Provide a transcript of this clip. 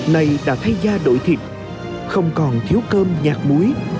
nay đã thay gia đổi thịt không còn thiếu cơm nhạt muối